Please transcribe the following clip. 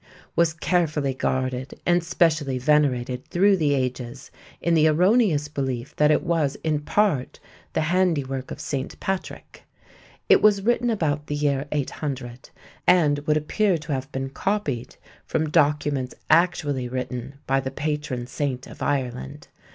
was carefully guarded and specially venerated through the ages in the erroneous belief that it was in part the handiwork of St. Patrick. It was written about the year 800, and would appear to have been copied from documents actually written by the patron saint of Ireland.